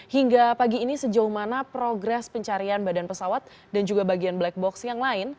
hingga pagi ini sejauh mana progres pencarian badan pesawat dan juga bagian black box yang lain